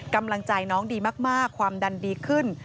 กำลังใจน้องดีมากความดันดีขึ้น